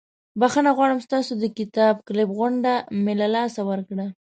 بخښنه غواړم ستاسو د کتاب کلب غونډه مې له لاسه ورکړه.